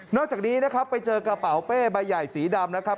จากนี้นะครับไปเจอกระเป๋าเป้ใบใหญ่สีดำนะครับ